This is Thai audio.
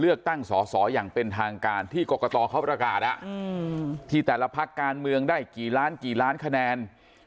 เลือกตั้งสออย่างเป็นทางการที่กรกตเค้าระกาศอะที่แต่ละภักดิ์การเมืองได้กี่ล้านคะแนน